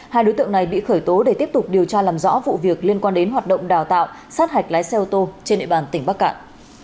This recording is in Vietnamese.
hai đối tượng này bị khởi tố để tiếp tục điều tra làm rõ vụ việc liên quan đến hoạt động đào tạo sát hạch lái xe ô tô trên địa bàn tỉnh bắc cạn